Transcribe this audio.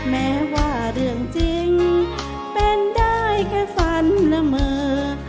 แม้ว่าเรื่องจริงเป็นได้แค่ฝันเสมอ